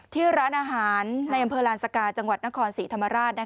ที่ร้านอาหารในอำเภอลานสกาจังหวัดนครศรีธรรมราช